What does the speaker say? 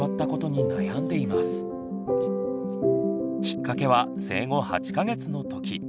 きっかけは生後８か月の時。